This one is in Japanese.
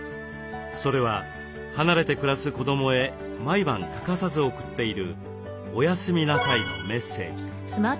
それは離れて暮らす子どもへ毎晩欠かさず送っている「おやすみなさい」のメッセージ。